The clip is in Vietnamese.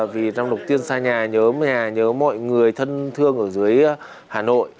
vì lần đầu tiên xa nhà nhớ mọi người thân thương ở dưới hà nội